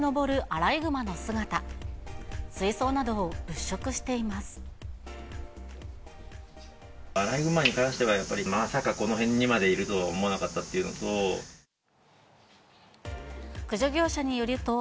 アライグマに関してはやっぱり、まさかこの辺にまでいるとは思わなかったっていうのと。